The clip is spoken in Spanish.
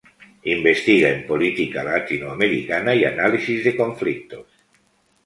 Investiga en política latinoamericana y análisis de conflictos.